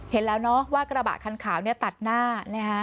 เห็นแล้วเนาะว่ากระบะคันขาวเนี่ยตัดหน้านะฮะ